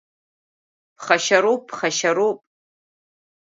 Ԥхашьароуп, ԥхашьароуп!